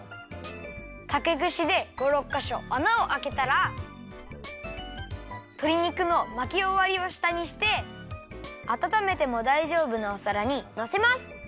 たけぐしで５６かしょあなをあけたらとり肉のまきおわりをしたにしてあたためてもだいじょうぶなおさらにのせます！